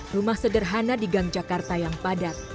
rumah sederhana di gang jakarta yang padat